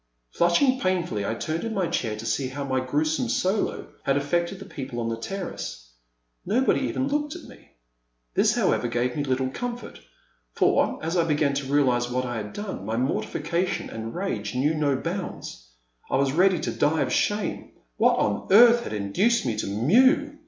Flushing painfully, I turned in my chair to see how my gruesome solo had affected the people on the terrace. Nobody even looked at me. This, however, gave me little comfort, for, as I began to realize what I had done, my mortification and rage knew no bounds. I was ready to die of shame. What on earth had induced me to mew